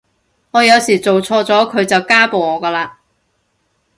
我有時做錯咗佢就家暴我㗎喇